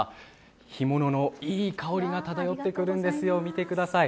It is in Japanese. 干物のいい香りが漂ってくるんですよ、見てください。